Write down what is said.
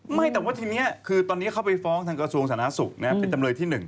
ไม่แต่ว่าทีนี้คือตอนนี้เขาไปฟ้องทางกระทรวงสาธารณสุขเป็นจำเลยที่๑